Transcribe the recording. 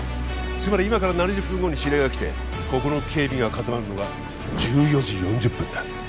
つまり今から７０分後に指令が来てここの警備が固まるのが１４時４０分だ